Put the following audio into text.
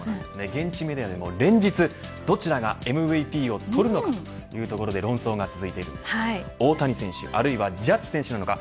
現地メディアでも連日どちらがＭＶＰをとるのかというところで論争が続いている大谷選手あるいはジャッジ選手なのか。